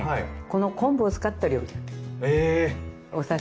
この昆布を使った料理なんです。